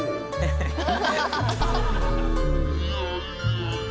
ハハハハ！